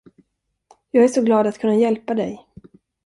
Jag är så glad att kunna hjälpa dig.